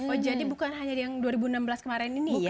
oh jadi bukan hanya yang dua ribu enam belas kemarin ini ya